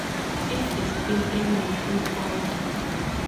It is still in working order.